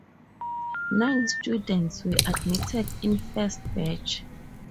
Nine students were admitted in first batch.